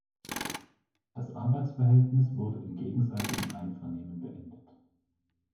Das Arbeitsverhältnis wurde im gegenseitigen Einvernehmen beendet.